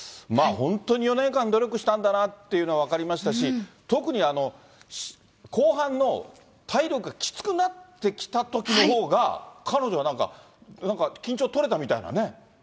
本当に４年間努力したんだなというのが分かりましたし、特に後半の体力がきつくなってきたときのほうが、彼女はなんか緊張取れたみたいなね。